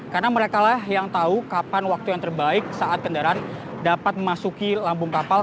karena mereka yang tahu kapan waktu yang terbaik saat kendaraan dapat memasuki lambung kapal